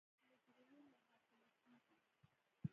مجرمین محاکمه کیږي.